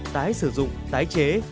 tái sử dụng tái chế